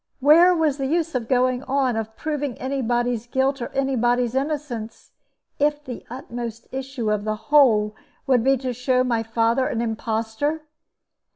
Where was the use of going on, of proving any body's guilt or any body's innocence, if the utmost issue of the whole would be to show my father an impostor?